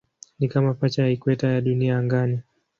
Ni kama pacha ya ikweta ya Dunia angani.